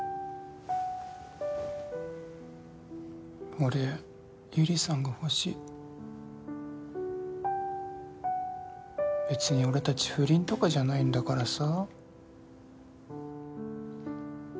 俺百合さんが欲しい別に俺達不倫とかじゃないんだからさ